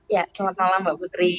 ya selamat malam mbak putri